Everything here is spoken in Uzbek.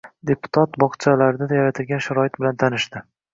Deputat bog‘chalarda yaratilgan sharoit bilan tanishdi